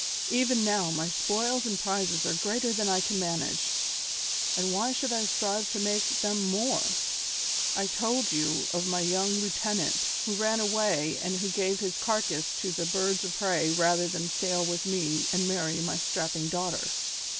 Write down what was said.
Even now, my spoils and prizes are greater than I can manage, and why should I strive to make them more? I told you of my young lieutenant, who ran away and who gave his carcass to the birds of prey rather than sail with me and marry my strapping daughter.